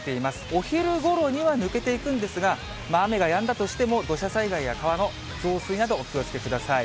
お昼ごろには抜けていくんですが、雨がやんだとしても、土砂災害や川の増水など、お気をつけください。